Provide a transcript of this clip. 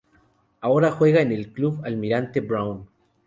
Ahora juega en el Club Almirante Brown.